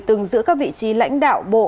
từng giữ các vị trí lãnh đạo bộ